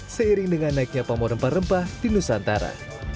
seiring dengan naiknya pamor rempah rempah di nusantara